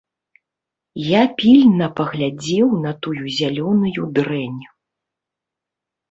Я пільна паглядзеў на тую зялёную дрэнь.